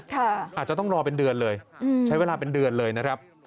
อาจจะต้องรอเป็นเดือนเลยใช้เวลาเป็นเดือนเลยนะครับ